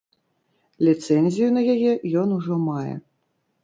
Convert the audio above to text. Ліцэнзію на яе ён ужо мае.